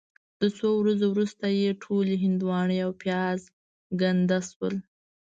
د څو ورځو وروسته یې ټولې هندواڼې او پیاز ګنده شول.